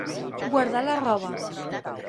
Guardar la roba.